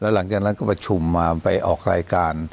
หลังจากนั้นก็ประชุมมาไปออกรายการ